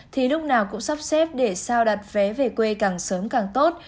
thì lúc nào cũng sắp xếp để sao đặt vé về quê càng sớm càng tốt